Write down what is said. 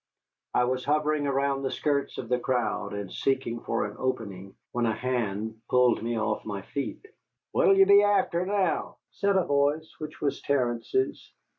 I was hovering around the skirts of the crowd and seeking for an opening, when a hand pulled me off my feet. "What 'll ye be afther now?" said a voice, which was Terence's.